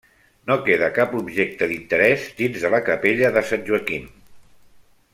No queda cap objecte d'interés dins de la capella de sant Joaquim.